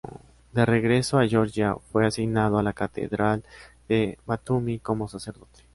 De regreso a Georgia fue asignado a la Catedral de Batumi como sacerdote.